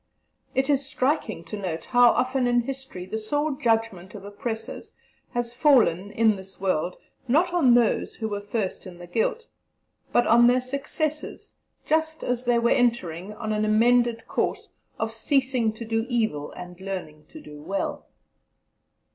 It is striking to note how often in history the sore judgment of oppressors has fallen (in this world), not on those who were first in the guilt, but on their successors, just as they were entering on an amended course of "ceasing to do evil and learning to do well."